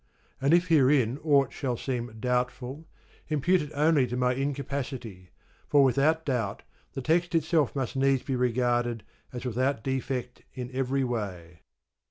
And if herein aught shall seem doubtful, impute it only to my incapacity, for without doubt the text itself must needs be regarded as without defect in every way.